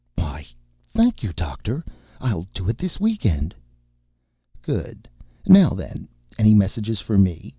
"Why ... thank you, doctor. I'll do it this week end." "Good. Now then, any messages for me?